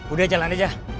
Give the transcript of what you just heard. udah jalan aja